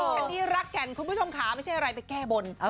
การดีรักแก่นคุณผู้ชมขาไม่ใช่อะไรให้แก้บ่น